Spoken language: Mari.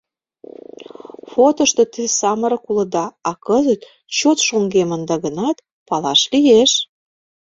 Фотошто те самырык улыда, а кызыт чот шоҥгемында гынат, палаш лиеш.